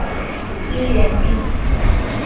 医源病。